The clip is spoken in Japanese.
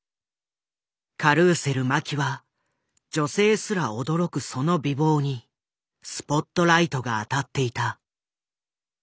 カルーセル麻紀は女性すら驚くその美貌にスポットライトが当たっていた。